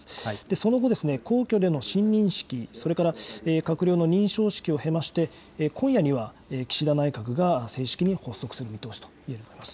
その後、皇居での親任式、それから閣僚の認証式を経まして、今夜には岸田内閣が正式に発足する見通しといえると思います。